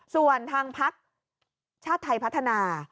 ส่วนทางพักชาติไทยพัฒนา